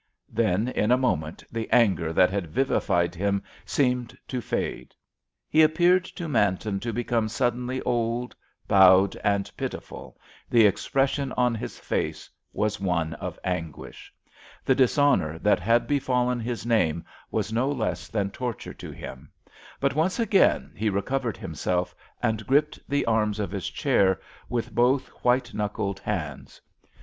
Then in a moment the anger that had vivified him seemed to fade; he appeared to Manton to become suddenly old, bowed, and pitiful, the expression on his face was one of anguish. The dishonour that had befallen his name was no less than torture to him, but once again he recovered himself, and gripped the arms of his chair with both white knuckled hands.